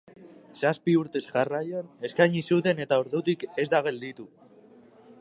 Zazpi urtez jarraian eskaini zuten eta ordutik ez da gelditu.